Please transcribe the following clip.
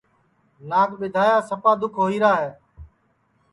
ناک ٻیدھایا سپا دُؔکھ ہوئیرا ہے